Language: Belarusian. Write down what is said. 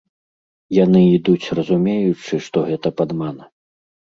Яны ідуць разумеючы, што гэта падман.